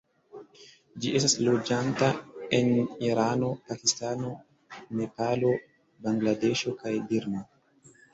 Ĝi estas loĝanta en Irano, Pakistano, Nepalo, Bangladeŝo kaj Birmo.